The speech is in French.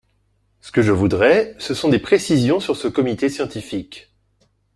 Ce que je voudrais, ce sont des précisions sur ce comité scientifique.